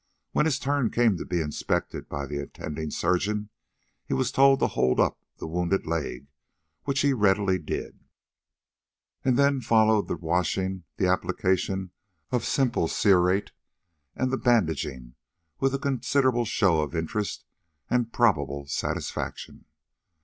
When his turn came to be inspected by the attending surgeon, he was told to hold up the wounded leg, which he readily did, and then followed the washing, the application of simple cerate, and the bandaging, with a considerable show of interest and probable satisfaction.